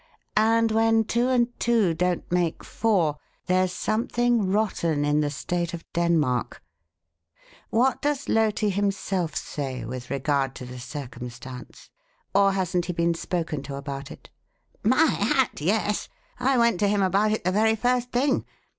And when two and two don't make four, 'there's something rotten in the state of Denmark.' What does Loti himself say with regard to the circumstance? Or hasn't he been spoken to about it?" "My hat, yes! I went to him about it the very first thing.